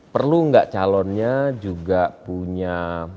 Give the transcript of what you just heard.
perlu nggak calonnya juga punya